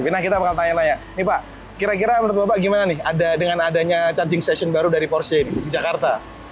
nah kita bakal tanya nanya nih pak kira kira menurut bapak gimana nih dengan adanya charging station baru dari porsche jakarta